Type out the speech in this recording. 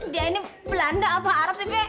dia ini belanda apa arab sih